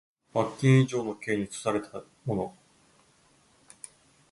罰金以上の刑に処せられた者